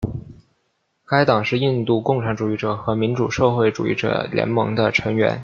该党是印度共产主义者和民主社会主义者联盟的成员。